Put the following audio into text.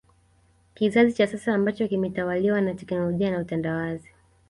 Kizazi cha sasa ambacho kimetawaliwa na teknolojia na utandawazi